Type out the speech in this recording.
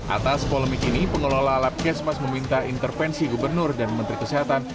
atas polemik ini pengelola labkesmas meminta intervensi gubernur dan menteri kesehatan